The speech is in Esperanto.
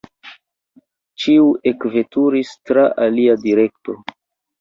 Ĉiu ekveturis tra alia direkto.